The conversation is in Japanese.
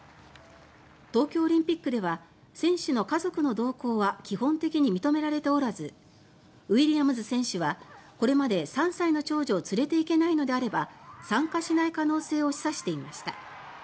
東京オリンピックでは選手の家族の同行は基本的に認められておらずウィリアムズ選手はこれまで３歳の長女を連れていけないのであれば参加しない可能性を示唆していました。